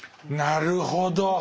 なるほど！